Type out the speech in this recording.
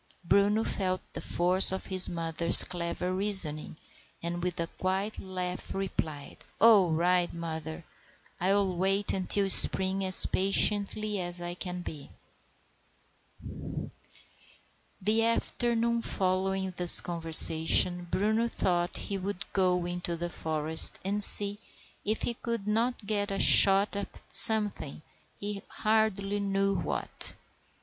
Bruno felt the force of his mother's clever reasoning, and with a quiet laugh replied,— "All right, mother: I'll wait until spring as patiently as I can." The afternoon following this conversation Bruno thought he would go into the forest and see if he could not get a shot at something, he hardly knew what.